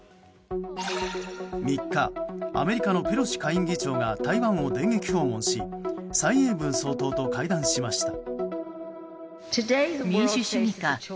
３日、アメリカのペロシ下院議長が台湾を電撃訪問し蔡英文総統と会談しました。